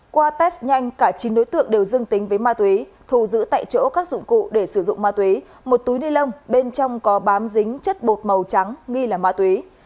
qua test nhanh cả chín đối tượng đều dương tính với ma túy thù giữ tại chỗ các dụng cụ để sử dụng ma túy một túi ni lông bên trong có bám dính chất bột màu trắng nghi là ma túy